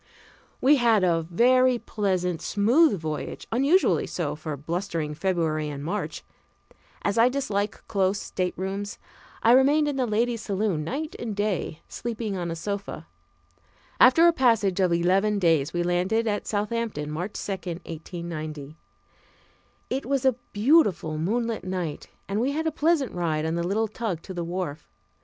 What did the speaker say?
We had a very pleasant, smooth voyage, unusually so for blustering February and March. As I dislike close staterooms, I remained in the ladies' saloon night and day, sleeping on a sofa. After a passage of eleven days we landed at Southampton, March 2, 1890. It was a beautiful moonlight night and we had a pleasant ride on the little tug to the wharf.